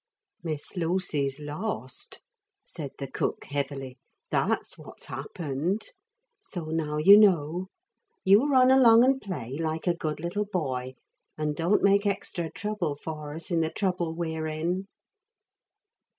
'Miss Lucy's lost,' said the cook heavily, 'that's what's happened. So now you know. You run along and play, like a good little boy, and don't make extry trouble for us in the trouble we're in.'